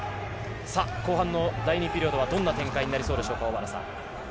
第２ピリオドはどんな展開になりそうでしょうか？